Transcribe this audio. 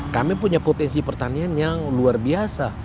kami punya potensi pertanian yang luar biasa